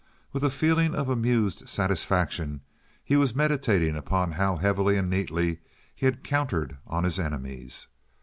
With a feeling of amused satisfaction he was meditating upon how heavily and neatly he had countered on his enemies.